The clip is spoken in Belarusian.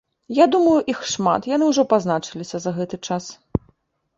Я думаю, іх шмат, яны ўжо пазначыліся за гэты час.